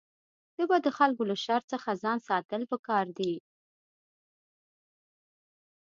د بدو خلکو له شر څخه ځان ساتل پکار دي.